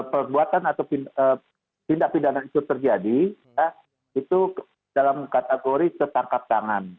perbuatan atau tindak pidana itu terjadi itu dalam kategori tertangkap tangan